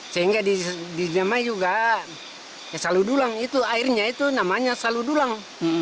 sehingga di jema juga selalu dulang airnya itu namanya selalu dulang